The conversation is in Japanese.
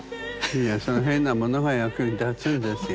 いやその変なものが役に立つんですよ。